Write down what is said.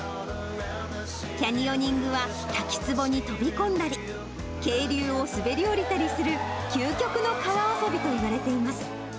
キャニオニングは滝つぼに飛び込んだり、渓流を滑り降りたりする究極の川遊びといわれています。